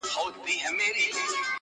o اوبه د سره خړي دي!